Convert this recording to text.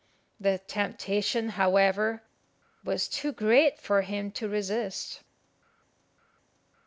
The temptation, however, was too great for him to resist.